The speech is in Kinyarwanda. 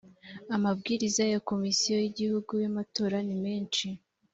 amabwiriza ya komisiyo y’igihugu y’amatora ni menshi